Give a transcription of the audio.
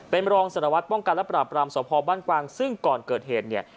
เป็นรองสารวัตรป้องกันและปราบรามสพบ้านกวางซึ่งก่อนเกิดเหตุเนี่ย